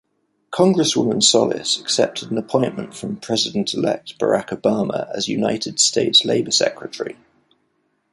Congresswoman Solis accepted an appointment from President-elect Barack Obama as United States Labor Secretary.